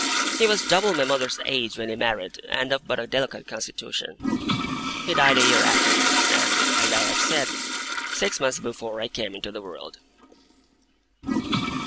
He was double my mother's age when he married, and of but a delicate constitution. He died a year afterwards, and, as I have said, six months before I came into the world.